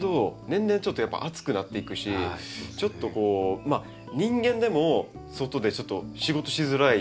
年々ちょっとやっぱ暑くなっていくしちょっとこうまあ人間でも外でちょっと仕事しづらい。